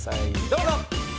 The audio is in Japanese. どうぞ！